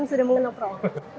apa yang mengenal prof